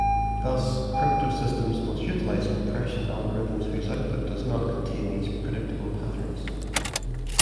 Thus, cryptosystems must utilize compression algorithms whose output does not contain these predictable patterns.